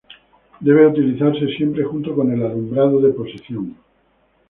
Debe utilizarse siempre junto con el alumbrado de posición.